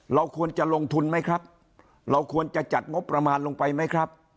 เราควรจะลงทุนไหมครับเราควรจะจัดงบประมาณลงไปไหมครับ